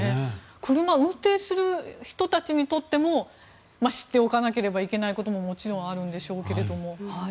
車、運転する人たちにとっても知っておかなければいけないことももちろんあるんでしょうけど。